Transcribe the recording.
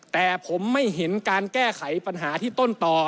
แต่ผมไม่เห็นการแก้ไขปัญหาที่ต้นต่อ